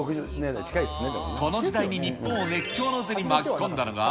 この時代に日本を熱狂の渦に巻き込んだのが。